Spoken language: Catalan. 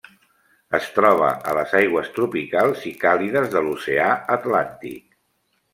Es troba a les aigües tropicals i càlides de l'Oceà Atlàntic.